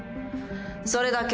それだけ。